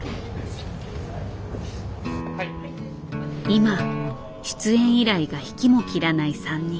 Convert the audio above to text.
今出演依頼が引きも切らない３人。